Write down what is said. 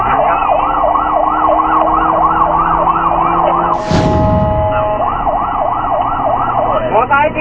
กิ๊ดซ้ายไปก่อนนะครับฉุกเฉินเท่ากันแม่นะครับ